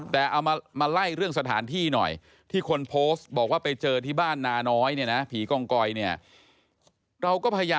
แต่เอามาไล่เรื่องสถานที่หน่อย